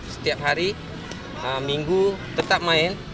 setiap hari minggu tetap main